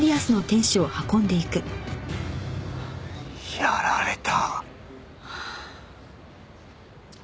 やられた。